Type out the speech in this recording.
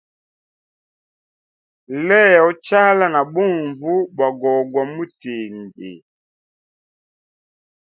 Leya uchala na bunvu bwa gogwa mutindi.